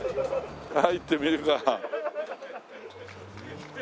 入ってみるか。